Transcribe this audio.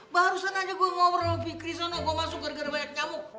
barusan aja gue ngobrol di kris sana gue masuk krisnya